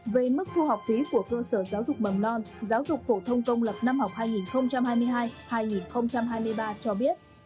về mức thu học phí của cơ sở giáo dục mầm non giáo dục phổ thông công lập năm học hai nghìn hai mươi hai hai nghìn hai mươi ba cho biết